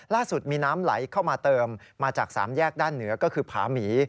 ล่าสุดมีน้ำไหลเข้ามาเติมมาจากสามแยกด้านเหนือก็คือผาหมี